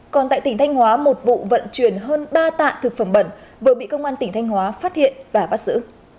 còn tại tỉnh thanh hóa một vụ vận chuyển hơn ba tạ thực phẩm bẩn vừa bị công an tỉnh thanh hóa phát hiện và bắt giữ